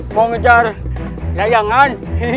mau ngejar layangan